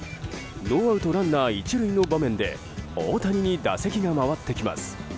ノーアウトランナー１塁の場面で大谷打席が回ってきます。